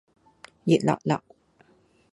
熱辣辣